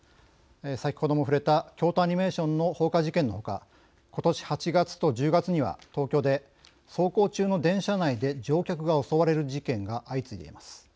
先ほどもふれた京都アニメーションの放火事件のほかことし８月と１０月には東京で走行中の電車内で乗客が襲われる事件が相次いでいます。